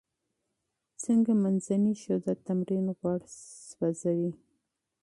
څنګه منځنی شدت تمرین غوړ سوځوي؟